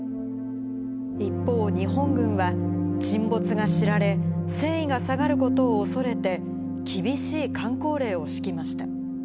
一方、日本軍は、沈没が知られ、戦意が下がることを恐れて、厳しいかん口令を敷きました。